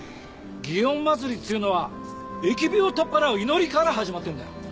園祭っちゅうのは疫病を取っ払う祈りから始まってるんだよ。